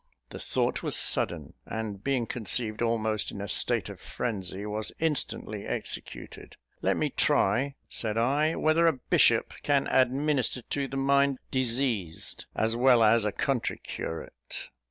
The thought was sudden, and, being conceived almost in a state of frenzy, was instantly executed. "Let me try," said I, "whether a bishop can 'administer to the mind diseased' as well as a country curate?"